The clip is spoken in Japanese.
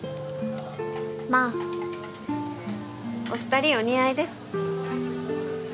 まあお二人お似合いです